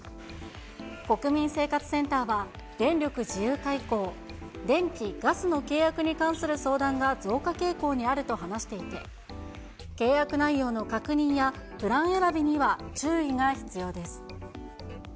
国民生活センターは、電力自由化以降、電気・ガスの契約に関する相談が増加傾向にあると話していて、契約内容の確認やプラン選びには注意が必要です。